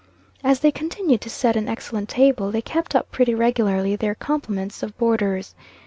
As they continued to set an excellent table, they kept up pretty regularly their complement of boarders.